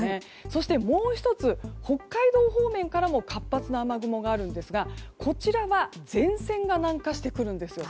そして、もう１つ北海道方面からの活発な雨雲があるんですがこちらは前線が南下してくるんです。